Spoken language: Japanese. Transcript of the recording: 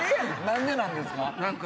何でなんですか？